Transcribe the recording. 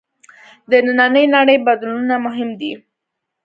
د نننۍ نړۍ بدلونونه مهم دي.